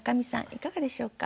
いかがでしょうか？